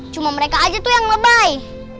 cuma mereka aja tuh yang lebay